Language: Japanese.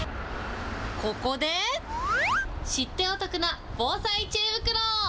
ここで、知ってお得な防災知恵袋。